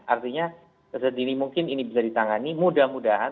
artinya sedini mungkin ini bisa ditangani mudah mudahan